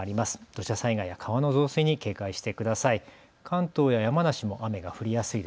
土砂災害や川の増水に警戒してください。